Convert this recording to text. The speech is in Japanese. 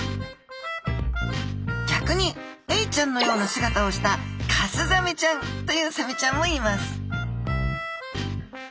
逆にエイちゃんのような姿をしたカスザメちゃんというサメちゃんもいます